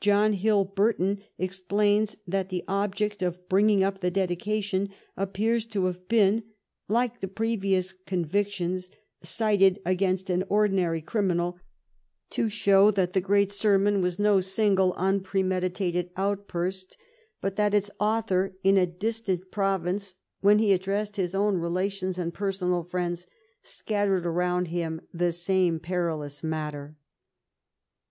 John Hill Burton explains that " the object of bring ing up the dedication appears to have been, like the previous convictions cited against an ordinary crim inal, to show that the great sermon was no single un premeditated outburst, but that its author, in a distant 296 THE REIGN OF QUEEN ANNE province, when he addressed his own relations and per sonal friends, scattered around him the same perilous matter."